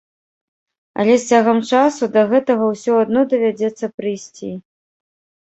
Але з цягам часу да гэтага ўсё адно давядзецца прыйсці.